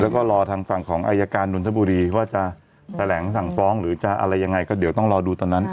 แล้วก็รอทางฝั่งของอายการนนทบุรีว่าจะแถลงสั่งฟ้องหรือจะอะไรยังไงก็เดี๋ยวต้องรอดูตอนนั้น